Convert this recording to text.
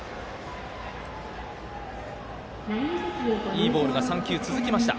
いいボールが３球続きました。